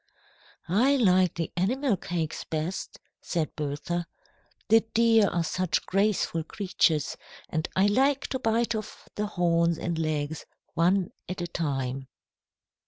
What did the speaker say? "I like the animal cakes best," said Bertha. "The deer are such graceful creatures, and I like to bite off the horns and legs, one at a time."